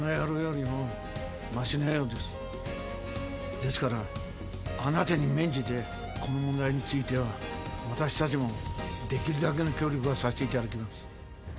ですからあなたに免じてこの問題については私たちもできるだけの協力はさせていただきます。